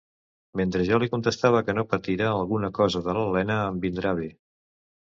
Mentre jo li contestava que no patira, alguna cosa de l'Elena em vindrà bé.